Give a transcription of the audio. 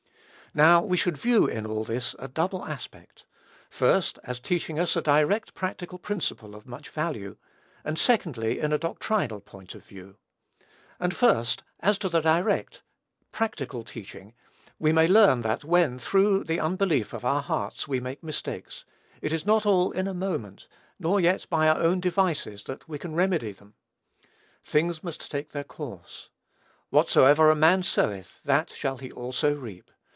Now, we should view all this in a double aspect; first, as teaching us a direct practical principle of much value; and secondly, in a doctrinal point of view. And, first, as to the direct, practical teaching, we may learn that when, through the unbelief of our hearts, we make mistakes, it is not all in a moment, nor yet by our own devices, we can remedy them. Things must take their course. "Whatsoever a man soweth that shall he also reap.